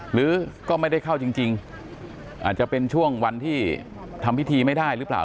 หรือก็ไม่ได้เข้าจริงอาจจะเป็นช่วงวันที่ทำพิธีไม่ได้หรือเปล่า